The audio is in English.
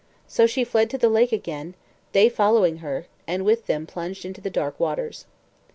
So she fled to the lake again, they following her, and with them plunged into the dark waters.